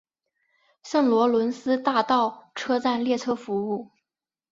圣罗伦斯大道车站列车服务。